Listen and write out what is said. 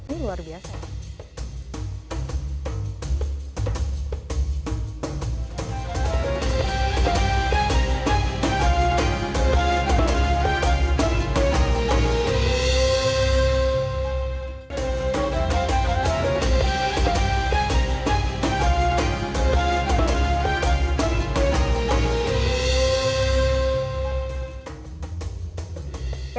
ini luar biasa